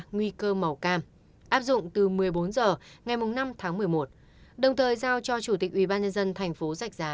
nguy cơ màu cam áp dụng từ một mươi bốn h ngày năm tháng một mươi một đồng thời giao cho chủ tịch ủy ban nhân dân thành phố giạch giá